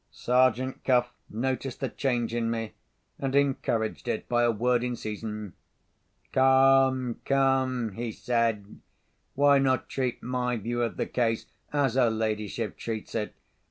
Sergeant Cuff noticed the change in me, and encouraged it by a word in season. "Come! come!" he said, "why not treat my view of the case as her ladyship treats it?